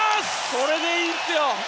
これでいいんっすよ！